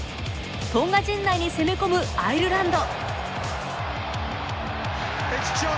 トンガ陣内に攻め込むアイルランド。